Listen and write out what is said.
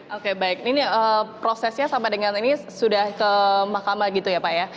oke baik ini prosesnya sampai dengan ini sudah ke mahkamah gitu ya pak ya